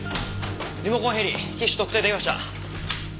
リモコンヘリ機種特定出来ました。